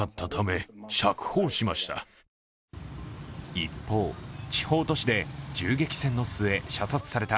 一方、地方都市で銃撃戦の末、射殺された